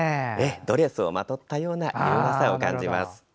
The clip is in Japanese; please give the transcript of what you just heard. ドレスをまとったような優雅さを感じます。